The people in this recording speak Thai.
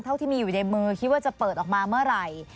เท่าที่มีอยู่ในมือคิดว่าจะเปิดออกมาเมื่อไหร่